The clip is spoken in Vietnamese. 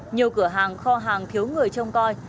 nhiều cửa hàng kho hàng thiếu người trông coi